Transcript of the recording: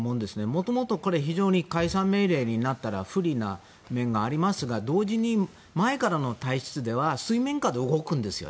もともと非常に解散命令になったら不利な面がありますが同時に、前からの体質では水面下で動くんですよ。